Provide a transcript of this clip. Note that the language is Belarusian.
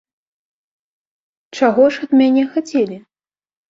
Чаго ж ад мяне хацелі?